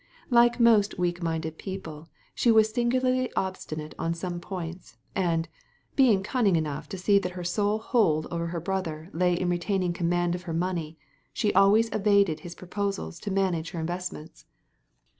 Like most weak minded people she was singularly obstinate en some points, and, being cunning enough to see that her sole hold over her brother lay in retaining com mand of her money, she always evaded his proposals to manage her investments.